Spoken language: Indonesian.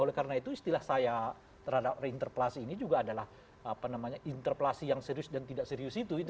oleh karena itu istilah saya terhadap reinterpelasi ini juga adalah interpelasi yang serius dan tidak serius itu